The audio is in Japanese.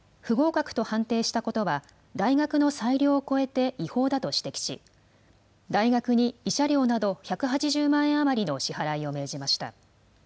不合格と判定したことは、大学の裁量を超えて違法だと指摘し、大学に慰謝料など１８０万円余りの支払いを命じました。